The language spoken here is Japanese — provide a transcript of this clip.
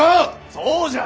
そうじゃ！